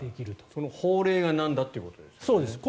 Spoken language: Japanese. その法令がなんだということですよね。